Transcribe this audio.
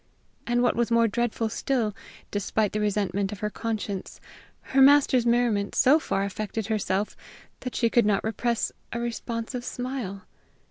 And, what was more dreadful still, despite the resentment of her conscience, her master's merriment so far affected herself that she could not repress a responsive smile!